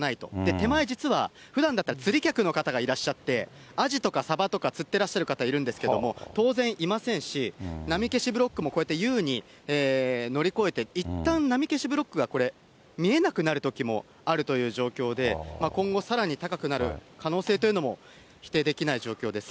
手前、実はふだんだったら釣り客の方がいらっしゃって、アジとかサバとか釣ってらっしゃる方いるんですけれども、当然いませんし、波消しブロックもこうやって優に乗り越えて、いったん波消しブロックが見えなくなるときもあるという状況で、今後さらに高くなる可能性というのも否定できない状況ですね。